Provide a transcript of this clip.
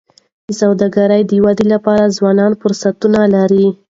د سوداګری د ودي لپاره ځوانان فرصتونه لري.